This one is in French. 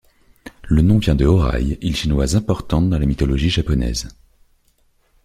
Le nom vient de Horai, île chinoise importante dans la mythologie japonaise.